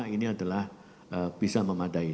ini adalah bisa memadai